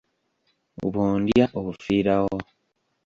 Bw’ondya ofiirawo.